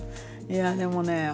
いやでもね